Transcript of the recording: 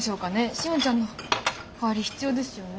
シオンちゃんの代わり必要ですよね。